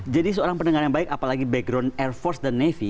jadi seorang pendengar yang baik apalagi background air force dan navy